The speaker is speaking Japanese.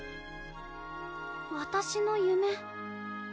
私の夢。